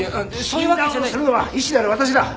診断をするのは医師である私だ。